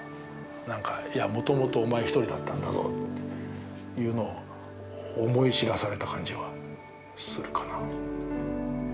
何か「もともとお前一人だったんだぞ」っていうのを思い知らされた感じはするかな。